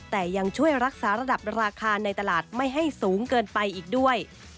แต่ยังช่วยรักษาระดับราคาในตลาดไม่ให้สูงเกินไปอีกด้วย